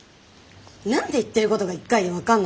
何で言ってることが１回で分かんないの？